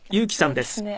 そうですね。